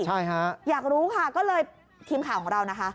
ใช่ฮะอยากรู้ค่ะก็เลยทีมข่าวของเรานะคะ